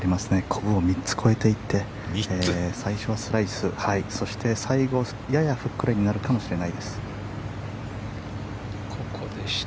こぶを３つ越えていって最初はスライスそして最後、ややフックラインになるかもしれないです。